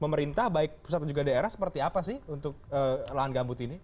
pemerintah baik pusat dan juga daerah seperti apa sih untuk lahan gambut ini